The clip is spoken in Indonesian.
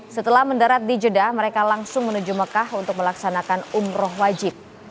setelah mendarat di jeddah mereka langsung menuju mekah untuk melaksanakan umroh wajib